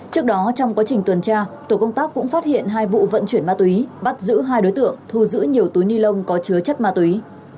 trước đó trong quá trình tuần tra tổ công tác cũng phát hiện hai vụ vận chuyển ma túy bắt giữ hai đối tượng thu giữ nhiều túi ni lông có chứa chất ma túy